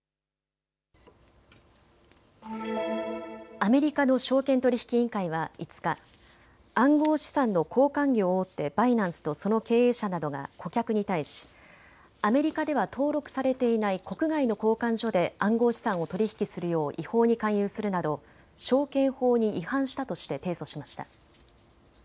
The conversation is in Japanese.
アメリカの証券取引委員会は５日、暗号資産の交換業大手、バイナンスとその経営者などが顧客に対し、アメリカでは登録されていない国外の交換所で暗号資産を取り引きするよう違法に勧誘するなど証券法に違反したとして提訴しました。